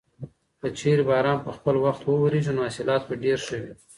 که چېرې باران په خپل وخت وورېږي نو حاصلات به ډېر ښه وي.